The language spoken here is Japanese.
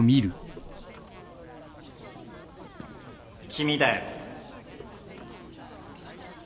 君だよ。